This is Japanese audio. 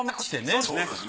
そうですね。